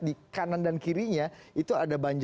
di kanan dan kirinya itu ada